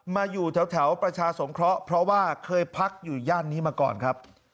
มาอยู่แถวประชาสงเคราะห์เพราะว่าเคยพักอยู่ย่านนี้มาก่อนครับ